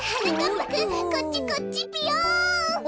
ぱくんこっちこっちぴよん。